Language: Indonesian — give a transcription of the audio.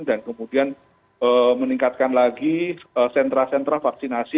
dan kemudian meningkatkan lagi sentra sentra vaksinasi